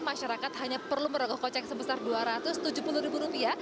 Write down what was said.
masyarakat hanya perlu merokok kocek sebesar rp dua ratus tujuh puluh